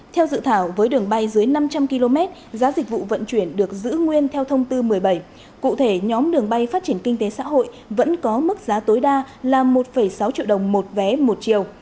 theo dự thảo với đường bay dưới năm trăm linh km giá dịch vụ vận chuyển được giữ nguyên theo thông tư một mươi bảy cụ thể nhóm đường bay phát triển kinh tế xã hội vẫn có mức giá tối đa là một sáu triệu đồng một vé một chiều